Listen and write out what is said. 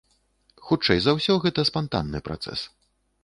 Хутчэй за ўсё, гэта спантанны працэс.